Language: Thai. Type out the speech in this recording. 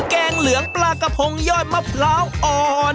แกงเหลืองปลากระพงยอดมะพร้าวอ่อน